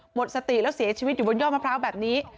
หมดสติแล้วเสียชีวิตอยู่บนยอดมะพร้าวแบบนี้